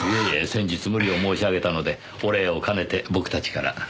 先日無理を申し上げたのでお礼を兼ねて僕たちから。